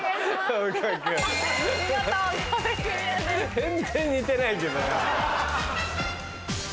全然似てないけど。